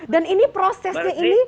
dan ini prosesnya ini